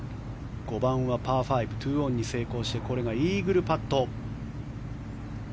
５番はパー５２オンに成功してこれがイーグルパット。